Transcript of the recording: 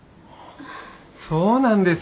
そうなんですか。